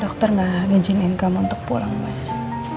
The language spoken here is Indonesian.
dokter gak izinin kamu untuk pulang mas